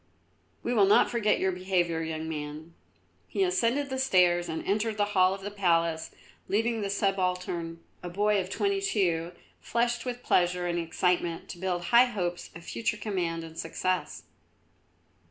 We will not forget your behaviour, young man." He ascended the steps and entered the hall of the palace, leaving the subaltern, a boy of twenty two, flushed with pleasure and excitement, to build high hopes of future command and success.